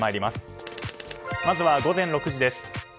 まずは午前６時です。